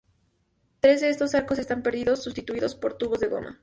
Tres de estos arcos están perdidos, sustituidos por tubos de goma.